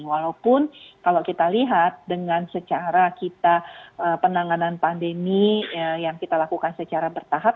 walaupun kalau kita lihat dengan secara kita penanganan pandemi yang kita lakukan secara bertahap